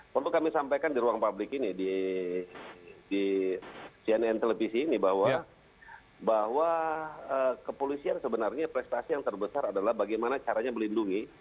perlu kami sampaikan di ruang publik ini di cnn televisi ini bahwa kepolisian sebenarnya prestasi yang terbesar adalah bagaimana caranya melindungi